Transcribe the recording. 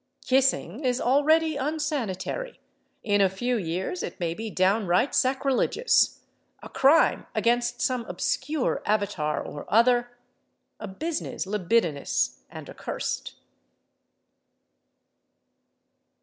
Kissing is already unsanitary; in a few years it may be downright sacrilegious, a crime against some obscure avatar or other, a business libidinous and accursed.